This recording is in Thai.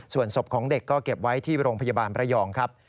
ส่วนศพของเด็กก็เก็บไว้ที่โรงพยาบาลประยองครับ